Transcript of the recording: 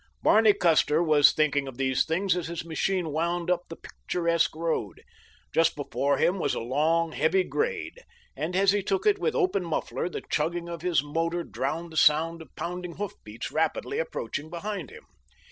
Barney Custer was thinking of these things as his machine wound up the picturesque road. Just before him was a long, heavy grade, and as he took it with open muffler the chugging of his motor drowned the sound of pounding hoof beats rapidly approaching behind him.